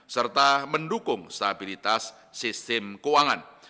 serta mendukung stabilitas sistem keuangan